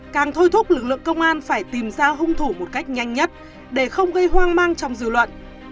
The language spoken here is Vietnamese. càng thôi thúc lực lượng công an phải tìm ra hung thủ một cách nhanh nhất để không gây hoang mang trong dư luận